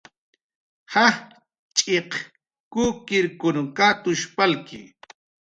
Jajch'iq kukiqkunw katush palki.